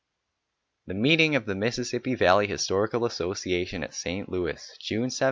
THE MEETING OF THE MISSISSIPPI VALLEY HISTORICAL ASSOCIATION AT ST. LOUIS, JUNE 17 19.